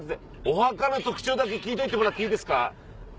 お墓の特徴だけ聞いといてもらっていいですか？